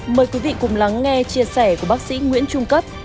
mời quý vị cùng lắng nghe chia sẻ của bác sĩ nguyễn trung cấp